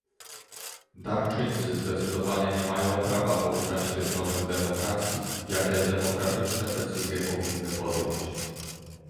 Darczyńcy zdecydowanie nie mają prawa pouczać tych nowych demokracji, jakie demokratyczne decyzje powinny podjąć